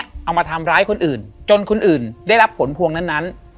เอามาทำร้ายคนอื่นจนคนอื่นได้รับผลพวงนั้น